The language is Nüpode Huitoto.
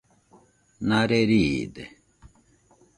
Nare riide